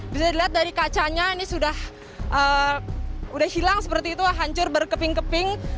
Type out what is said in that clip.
bisa dilihat dari kacanya ini sudah hilang seperti itu hancur berkeping keping